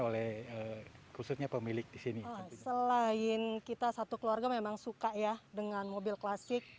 oleh khususnya pemilik di sini selain kita satu keluarga memang suka ya dengan mobil klasik